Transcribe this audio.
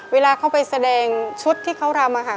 เวลาเขาไปแสดงชุดที่เขารำค่ะ